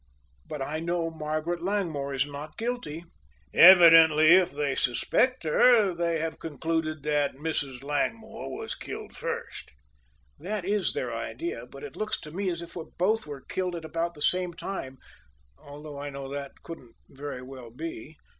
But I know Margaret Langmore is not guilty." "Evidently if they suspect her they have concluded that Mrs. Langmore was killed first." "That is their idea, but it looks to me as if both were killed at about the same time, although I know that couldn't very well be."